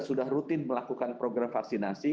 sudah rutin melakukan program vaksinasi